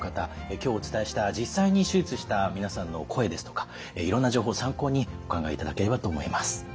今日お伝えした実際に手術した皆さんの声ですとかいろんな情報参考にお考えいただければと思います。